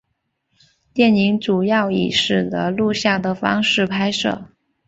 电影主要以拾得录像的方式拍摄。